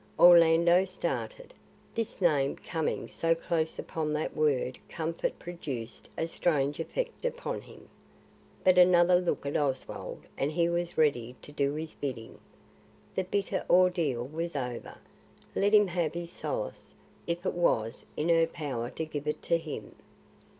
Orlando started. This name coming so close upon that word comfort produced a strange effect upon him. But another look at Oswald and he was ready to do his bidding. The bitter ordeal was over; let him have his solace if it was in her power to give it to him.